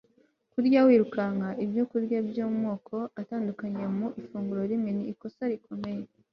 kurya wirukanka ibyokurya by'amoko atandukanye mu ifunguro rimwe ni ikosa rikomeye